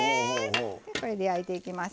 これで焼いていきます。